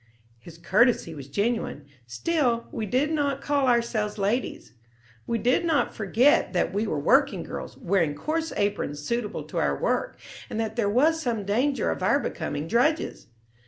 His courtesy was genuine. Still, we did not call ourselves ladies. We did not forget that we were working girls, wearing coarse aprons suitable to our work, and that there was some danger of our becoming drudges.